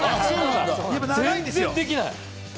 全然できない。